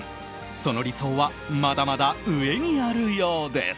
その理想はまだまだ上にあるようです。